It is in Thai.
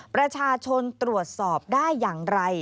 ประชาชนตรวจสอบได้อย่างไร